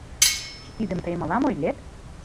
— Тидым тый мылам ойлет?!